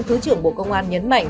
thứ trưởng bộ công an nhấn mạnh